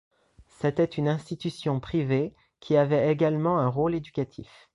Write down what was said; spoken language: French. C’était une institution privée qui avait également un rôle éducatif.